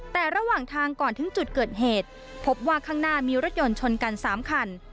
แต่ระหว่างทางก่อนถึงจุดเกิดเหตุพบว่าข้างหน้ามีรถยนต์ชนกัน๓คัน